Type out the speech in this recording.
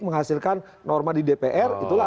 menghasilkan norma di dpr itulah